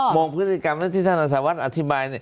บอกพฤติกรรมแล้วที่ท่านอาสาวัสอธิบาย